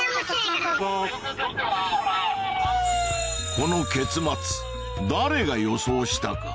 この結末誰が予想したか。